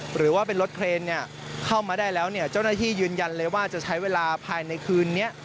หรือว่าเป็นรถเครนเข้ามาได้แล้วเนี่ยเจ้าหน้าที่ยืนยันเลยว่าจะใช้เวลาภายในคืนนี้